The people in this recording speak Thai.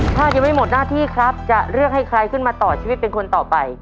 ถ้ายังไม่หมดหน้าที่ครับจะเลือกให้ใครขึ้นมาต่อชีวิตเป็นคนต่อไป